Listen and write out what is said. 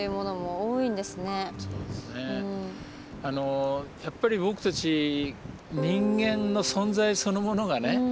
あのやっぱり僕たち人間の存在そのものがね